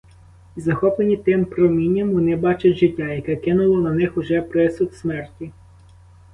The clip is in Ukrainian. І, захоплені тим промінням, вони бачать життя, яке кинуло на них уже присуд смерті.